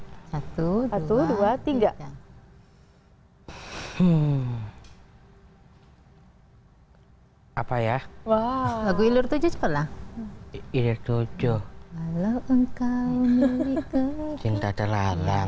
hai hmm hai apa ya wow lagu ilur tujuh cepet lah itu joklo engkau milik cinta terlalang